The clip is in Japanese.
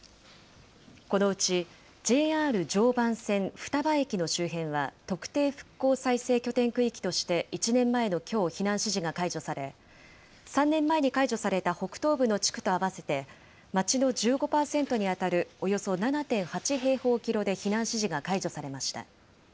このうちＪＲ常磐線双葉駅の周辺は特定復興再生拠点区域として１年前のきょう、避難指示が解除され、３年前に解除された北東部の地区と合わせて、町の１５％に当たるおよそ７．８平方キロで避難指示が解除されました。